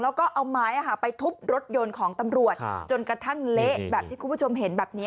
แล้วก็เอาไม้ไปทุบรถยนต์ของตำรวจจนกระทั่งเละแบบที่คุณผู้ชมเห็นแบบนี้